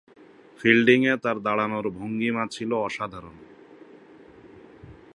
ফিল্ডিংয়ে তাঁর দাঁড়ানোর ভঙ্গীমা ছিল অসাধারণ।